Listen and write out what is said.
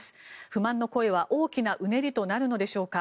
不満の声は大きなうねりとなるのでしょうか。